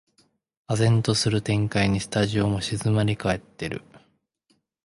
唖然とする展開にスタジオも静まりかえってる